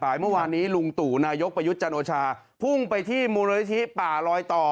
เมื่อวานนี้ลุงตู่นายกประยุทธ์จันโอชาพุ่งไปที่มูลนิธิป่าลอยต่อ